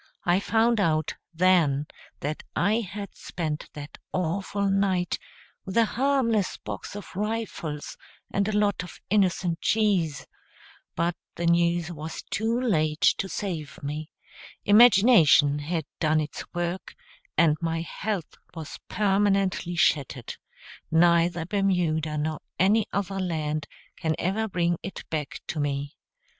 I found out, then, that I had spent that awful night with a harmless box of rifles and a lot of innocent cheese; but the news was too late to save me; imagination had done its work, and my health was permanently shattered; neither Bermuda nor any other land can ever bring it back tome.